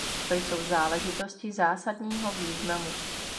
To jsou záležitosti zásadního významu.